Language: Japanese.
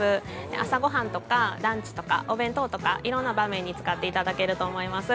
朝ごはんとかランチとかお弁当とか、いろんな場面に使っていただけると思います。